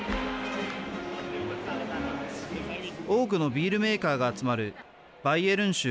多くのビールメーカーが集まるバイエルン州